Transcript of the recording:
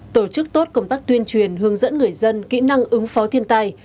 năm tổ chức tốt công tác tuyên truyền hướng dẫn người dân kỹ năng ứng phó thiên tài